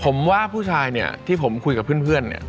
ผมว่าผู้ชายเนี่ยที่ผมคุยกับเพื่อนเนี่ย